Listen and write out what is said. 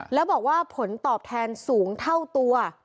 แล้วบอกว่าผลตอบแทนสูงเท่าตัว